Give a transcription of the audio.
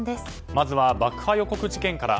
まずは爆破予告事件から。